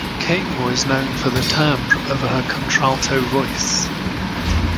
King was known for the timbre of her contralto voice.